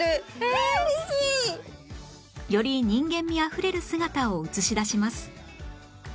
より人間味あふれる姿を映し出します